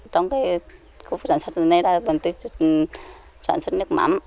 trong khu phục sản xuất này tôi sản xuất nước mắm